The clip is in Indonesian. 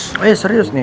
iya serius nih